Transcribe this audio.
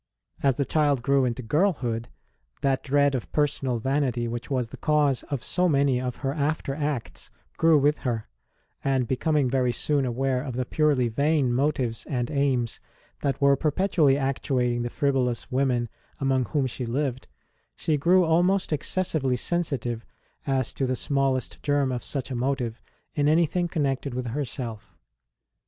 As the child grew into girlhood that dread of personal vanity which was the cause of so many of her after acts grew with her; and, becoming very soon aware of the purely vain motives and aims that were perpetually actuating the frivolous women among whom she lived, she grew almost excessively sensitive as to the smallest germ of such a motive in anything connected with herself.